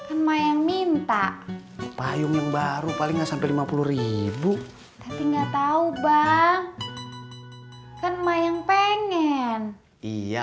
emang yang minta payung yang baru paling sampai rp lima puluh enggak tahu bang kan mayang pengen iya